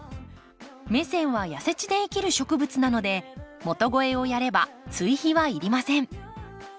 メセンは痩せ地で生きる植物なので元肥をやれば追肥は要りません。